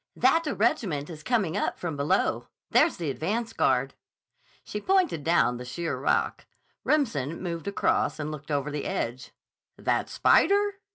"—that a regiment is coming up from below. There's the advance guard." She pointed down the sheer rock. Remsen moved across and looked over the edge. "That spider?"